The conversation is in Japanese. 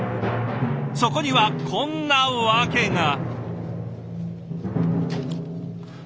そこにはこんな訳が。